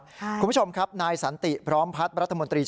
คุณผู้ชมครับนายสันติพร้อมพัฒน์รัฐมนตรี